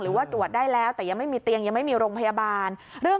หรือว่าตรวจได้แล้วแต่ยังไม่มีเตียงยังไม่มีโรงพยาบาล